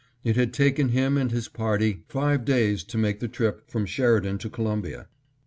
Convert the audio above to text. It had taken him and his party five days to make the trip from Sheridan to Columbia.